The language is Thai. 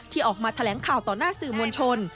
ออกมาแถลงข่าวต่อหน้าสื่อมวลชน